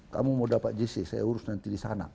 kamu mau dapat jc saya urus nanti di sana